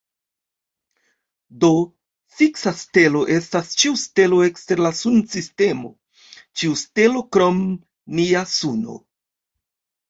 Do, fiksa stelo estas ĉiu stelo ekster la sunsistemo, ĉiu stelo krom nia suno.